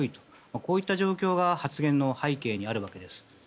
こういった状況が発言の背景にあるわけです。